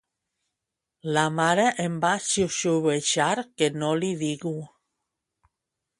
La mare em va xiuxiuejar que no li digu